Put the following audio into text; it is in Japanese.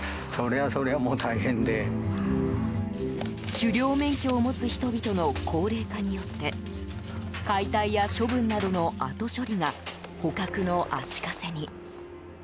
狩猟免許を持つ人々の高齢化によって解体や処分などの後処理が捕獲の足かせに。